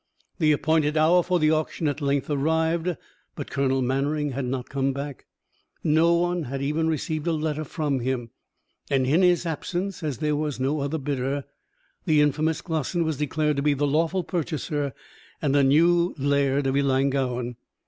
The appointed hour for the auction at length arrived, but Colonel Mannering had not come back. No one had even received a letter from him; and in his absence, as there was no other bidder, the infamous Glossin was declared to be the lawful purchaser, and a new Laird of Ellangowan.